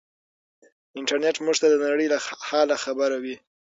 انټرنيټ موږ ته د نړۍ له حاله خبروي.